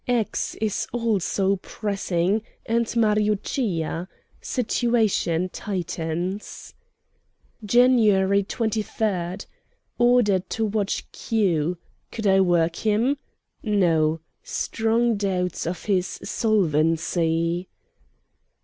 X. is also pressing, and Mariuccia. Situation tightens. "Jan. 23. Ordered to watch Q. Could I work him? No. Strong doubts of his solvency.